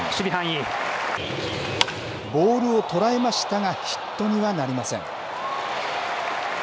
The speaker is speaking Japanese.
ボールを捉えましたが、ヒットにはなりません。